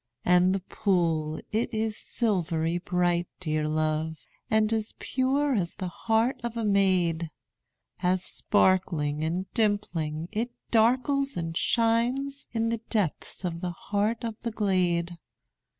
And the pool, it is silvery bright, dear love, And as pure as the heart of a maid, As sparkling and dimpling, it darkles and shines In the depths of the heart of the glade.